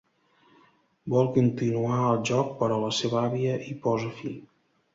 Vol continuar el joc però la seva àvia hi posa fi.